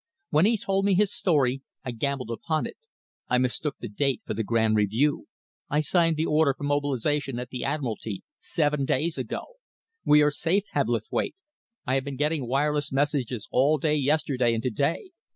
When he told me his story, I gambled upon it. I mistook the date for the Grand Review. I signed the order for mobilisation at the Admiralty, seven days ago. We are safe, Hebblethwaite! I've been getting wireless messages all day yesterday and to day.